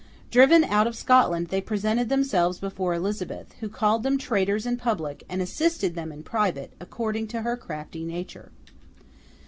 Driven out of Scotland, they presented themselves before Elizabeth—who called them traitors in public, and assisted them in private, according to her crafty nature.